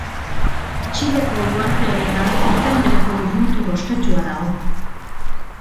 Txileko uharte honetan izen bereko lurmutur ospetsua dago.